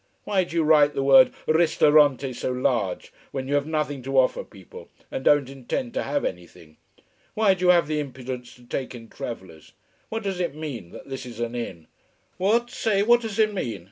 Why do you write the word Ristorante so large, when you have nothing to offer people, and don't intend to have anything. Why do you have the impudence to take in travellers? What does it mean, that this is an inn? What, say, what does it mean?